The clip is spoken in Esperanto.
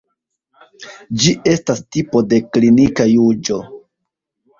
Ĝi estas tipo de klinika juĝo.